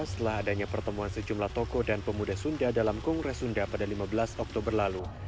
setelah adanya pertemuan sejumlah tokoh dan pemuda sunda dalam kongres sunda pada lima belas oktober lalu